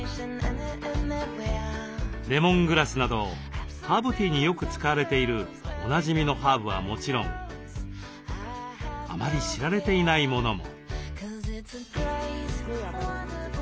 レモングラスなどハーブティーによく使われているおなじみのハーブはもちろんあまり知られていないものも。